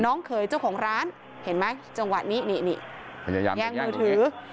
น้องเขยเจ้าของร้านเห็นไหมจังหวะนี้นี่นี่แย่งมือถือ